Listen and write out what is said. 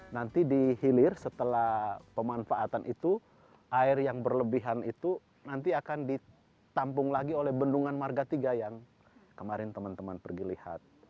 nanti dihilir setelah pemanfaatan itu air yang berlebihan itu nanti akan ditampung lagi oleh bendungan marga tiga yang kemarin teman teman pergi lihat